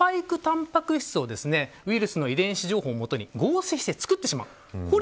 そもそもスパイクたんぱく質をウイルスの遺伝子情報をもとに合成して作ってしまいます。